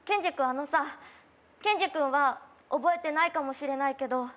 あのさケンジ君は覚えてないかもしれないけど